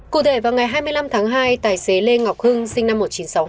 cụ thể vào ngày hai mươi năm tháng hai tài xế lê ngọc hưng sinh năm một nghìn chín trăm sáu mươi